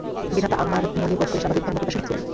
বিধাতা আমার মনে বোধকরি স্বাভাবিক ধর্মপিপাসা দিয়াছিলেন।